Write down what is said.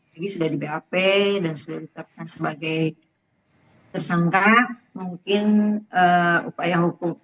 sudah di bap dan sudah ditetapkan sebagai tersangka mungkin upaya hukum